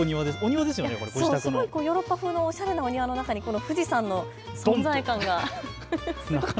ヨーロッパ風のおしゃれなお庭の中に富士山の存在感が。